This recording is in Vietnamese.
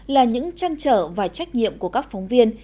là những trăn trở và trách nhiệm của các phóng viên